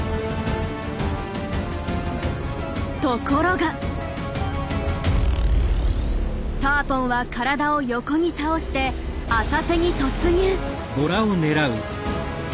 ところがターポンは体を横に倒して浅瀬に突入。